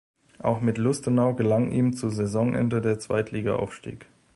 Auch mit Lustenau gelang ihm zu Saisonende der Zweitligaaufstieg.